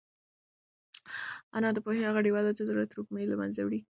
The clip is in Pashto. هنر د پوهې هغه ډېوه ده چې د زړه تروږمۍ له منځه وړي.